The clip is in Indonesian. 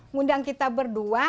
mundang kita berdua